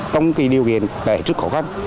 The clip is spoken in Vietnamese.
trong cái điều kiện là hết sức khó khăn